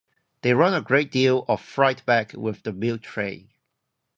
They run a great deal of freight back with this milk train.